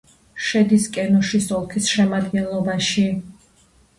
შედის კენოშის ოლქის შემადგენლობაში.